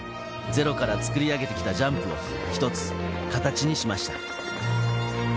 ゼロから作り上げてきたジャンプを一つ形にしました。